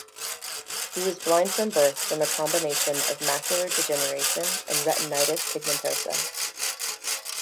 He was blind from birth from a combination of macular degeneration and retinitis pigmentosa.